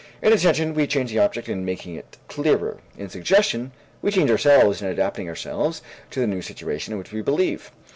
In attention, we change the object in making it clearer; in suggestion, we change ourselves in adapting ourselves to the new situation in which we believe.